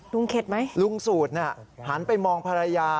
เข็ดไหมลุงสูตรน่ะหันไปมองภรรยา